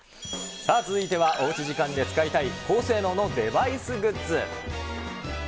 さあ、続いては、おうち時間で使いたい高性能のデバイスグッズ。